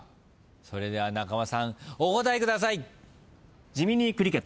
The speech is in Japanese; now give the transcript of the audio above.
それでは中間さんお答えください。